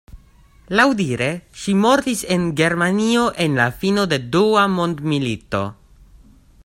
Laŭdire, ŝi mortis en Germanio en la fino de Dua Mondmilito.